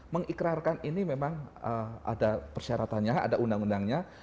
mengikrarkan ini memang ada persyaratannya ada undang undangnya